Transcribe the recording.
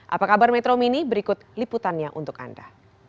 apa kabar metro mini berikut liputannya untuk anda